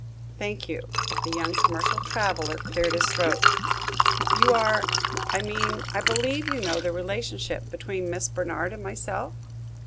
"Thank you." The young commercial traveler cleared his throat. "You are I mean, I believe you know the relationship between Miss Bernard and myself?"